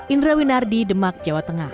indra winardi demak jawa tengah